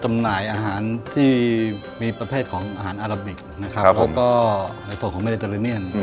หน่ายอาหารที่มีประเภทของอาหารอาราบิกนะครับแล้วก็ในส่วนของเมลเตอเรเนียน